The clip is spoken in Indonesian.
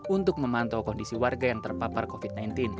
untuk memantau kondisi warga yang terpapar covid sembilan belas